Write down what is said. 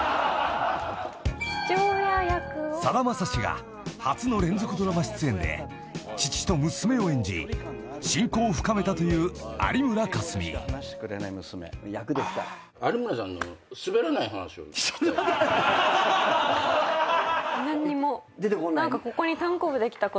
［さだまさしが初の連続ドラマ出演で父と娘を演じ親交を深めたという有村架純］何にも。